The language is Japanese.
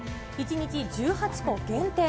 １日１８個限定。